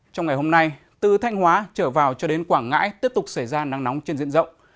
trong ngày hôm nay từ thanh hóa trở vào cho đến quảng ngãi tiếp tục xảy ra nắng nóng trên diện rộng